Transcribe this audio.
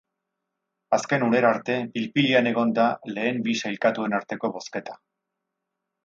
Azken unera arte pil-pilean egon da lehen bi sailkatuen arteko bozketa.